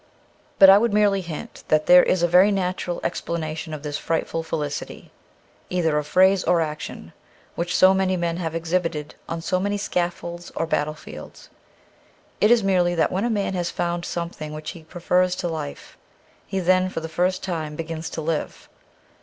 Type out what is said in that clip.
But I would merely hint that there is a very natural explanation of this frightful felicity, either of phrase or action, which so many men have exhibited on so many scaffolds or battle fields. It is merely that when a man has found something which he prefers to life, he then for the first time begins to live.